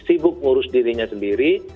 sibuk mengurus dirinya sendiri